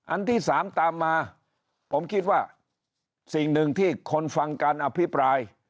อันที่สามตามมาผมคิดว่าสิ่งหนึ่งที่คนฟังการอภิปราย